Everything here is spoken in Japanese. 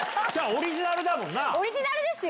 オリジナルですよ。